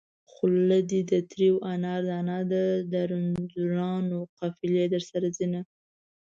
خوله دې د تريو انار دانه ده د رنځورانو قافلې درپسې ځينه